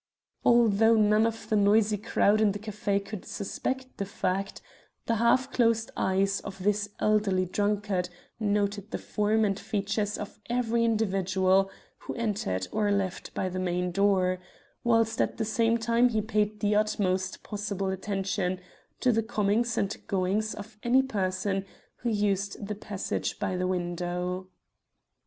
Although none of the noisy crowd in the café could suspect the fact, the half closed eyes of this elderly drunkard noted the form and features of every individual who entered or left by the main door, whilst at the same time he paid the utmost possible attention to the comings and goings of any person who used the passage by the window.